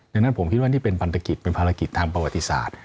ดังนั้นผมคิดว่านี่เป็นพันธกิจเป็นภารกิจทางประวัติศาสตร์